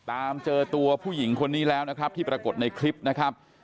ตามเจอตัวผู้หญิงคนนี้แล้วนะครับที่ปรากฏในคลิปนะครับ